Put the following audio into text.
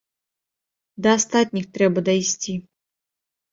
Да астатніх трэба дайсці!